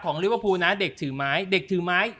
กูนะเด็กถือไม้